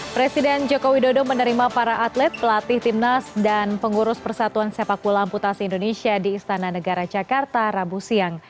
presiden joko widodo menerima para atlet pelatih timnas dan pengurus persatuan sepak bola amputasi indonesia di istana negara jakarta rabu siang